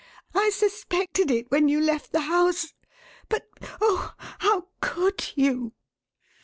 "I suspected it when you left the house but, oh, how could you?"